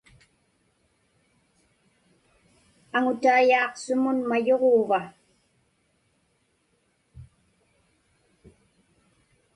Aŋuitayaaq sumun mayuġuuva?